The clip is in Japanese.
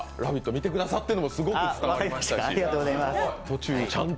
見てくださってるのがすごく伝わりました。